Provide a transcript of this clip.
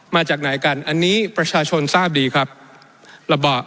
มาจากไหนกันอันนี้ประชาชนทราบดีครับระเบาะ